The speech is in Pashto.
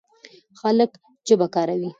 خلک ژبه کاروي.